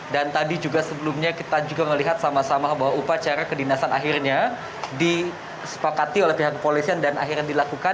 dan tadi juga sebelumnya kita juga melihat sama sama bahwa upacara kedinasan akhirnya disepakati oleh pihak kepolisian dan akhirnya dilakukan